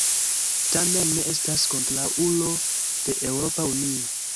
Tamen ne estas kontraŭulo de Eŭropa Unio.